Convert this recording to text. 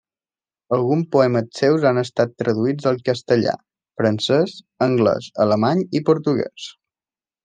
Alguns poemes seus han estat traduïts al castellà, francès, anglès, alemany i portuguès.